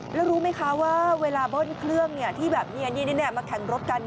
แล้วรู้ไหมคะว่าเวลาเบิ้ลเครื่องที่แบบมาแข่งรถกัน